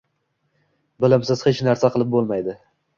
Bilimsiz hech narsa qilib bo‘lmaydi.